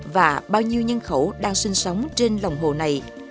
và bao nhiêu nhân khẩu đang sinh sống trên lòng hồ này